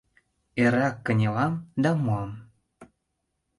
Эррак кынелам да муам.